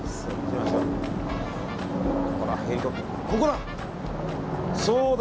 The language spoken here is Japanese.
ここだ！